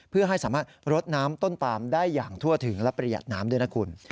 เพื่อให้สามารถรดน้ำต้นปามได้อย่างทั่วถึงและประหยัดน้ำด้วยนะคุณ